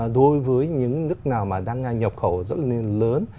đối với những nước nào mà đang nhập khẩu rất là lớn